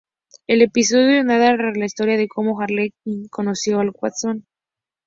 El episodio narra la historia de como Harley Quinn conoció al Guasón.